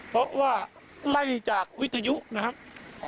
เพราะว่าไล่จากวิทยุนะครับ